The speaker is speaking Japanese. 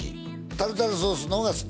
タルタルソースの方が好き？